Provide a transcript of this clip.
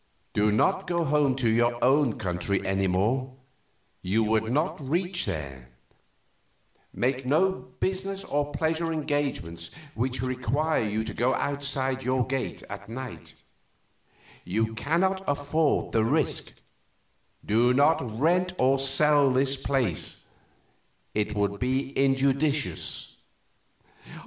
Do not go home to your own country any more you would not reach there; make no business or pleasure engagements which require you to go outside your gate at night you cannot afford the risk; do not rent or sell this place it would be injudicious."